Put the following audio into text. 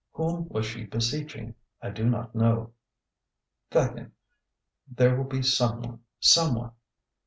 Whom was she beseeching? I do not know. 'Thakin, there will be Someone, Someone.